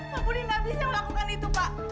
pak budi nggak bisa melakukan itu pak